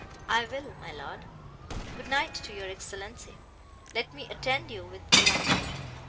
"I will, my Lord; good night to your Excellenza; let me attend you with the light."